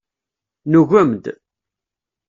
Nugem-d.